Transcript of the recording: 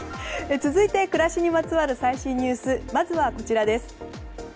続いて暮らしにまつわる最新ニュースまずはこちらです。